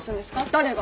誰が？